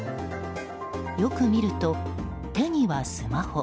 よく見ると手にはスマホ。